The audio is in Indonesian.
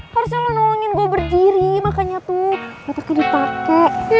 harusnya lo nolongin gue berdiri makanya tuh batuknya dipake